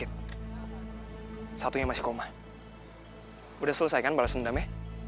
ifteri pendidikan ming experimentation berasal dari